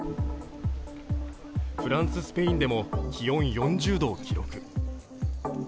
フランス、スペインでも気温４０度を記録。